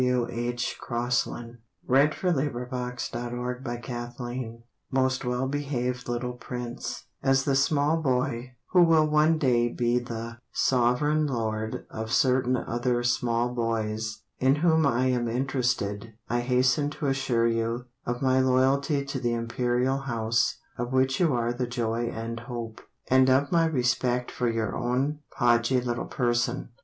Vale! TO PRINCE EDWARD OF YORK (On the Return of the "Ophir") Most well behaved little Prince, As the small boy Who will one day be the Sovereign Lord Of certain other small boys In whom I am interested I hasten to assure you Of my loyalty to the Imperial House Of which you are the joy and hope, And of my respect for your own podgy little person.